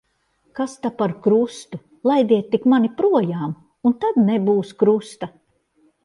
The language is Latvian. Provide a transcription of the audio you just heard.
Kas ta par krustu. Laidiet tik mani projām, un tad nebūs krusta.